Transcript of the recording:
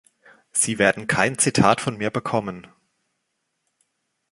Sie werden kein Zitat von mir bekommen.